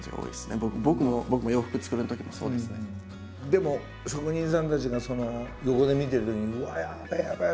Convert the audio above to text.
でも職人さんたちが横で見てるときにうわやべえやべえ！